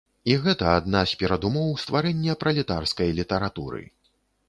І гэта адна з перадумоў стварэння пралетарскай літаратуры.